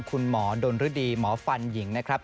คุณหมอดนฤดีหมอฟันหญิงนะครับ